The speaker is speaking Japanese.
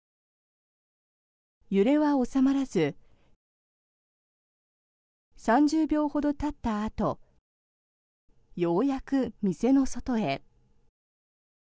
揺れは収まらず３０秒ほどたったあとようやく店の外へ。